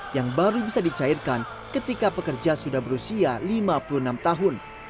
yang baru bisa dicairkan ketika pekerja sudah berusia lima puluh enam tahun